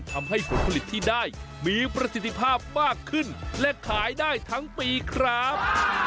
ผลผลิตที่ได้มีประสิทธิภาพมากขึ้นและขายได้ทั้งปีครับ